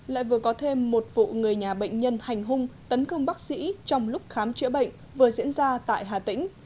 lại vừa có thêm một vụ người nhà bệnh nhân hành hung tấn công bác sĩ trong lúc khám chữa bệnh vừa diễn ra tại hà tĩnh